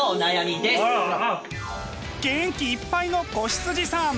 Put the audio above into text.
元気いっぱいの子羊さん！